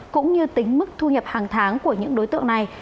cũng như tính mức thu nhập hàng tháng của những đối tượng này